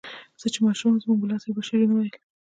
زه چې ماشوم وم زموږ ملا صیب به شعرونه ویل.